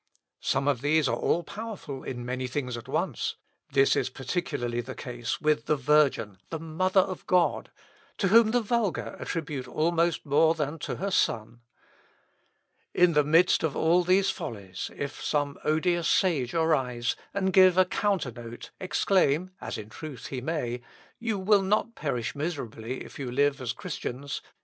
Some of these are all powerful in many things at once. This is particularly the case with the Virgin, the mother of God, to whom the vulgar attribute almost more than to her Son. In the midst of all these follies, if some odious sage arise, and, giving a counternote, exclaim, (as in truth he may,) 'You will not perish miserably if you live as Christians.